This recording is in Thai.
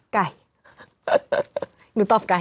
ไก่หนูตอบไก่